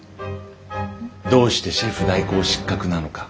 どうしてシェフ代行失格なのか。